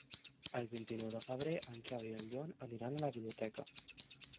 El vint-i-nou de febrer en Xavi i en Joan aniran a la biblioteca.